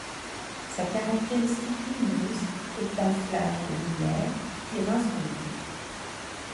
Sa caractéristique lumineuse est d'un flash de lumière toutes les vingt secondes.